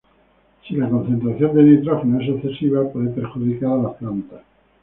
Si la concentración de nitrógeno es excesiva, puede perjudicar a las plantas.